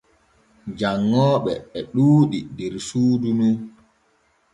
Janŋooɓe e ɗuuɗi der suudu nu.